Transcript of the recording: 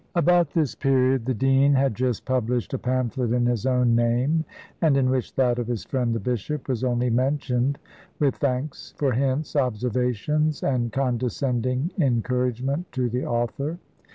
About this period the dean had just published a pamphlet in his own name, and in which that of his friend the bishop was only mentioned with thanks for hints, observations, and condescending encouragement to the author.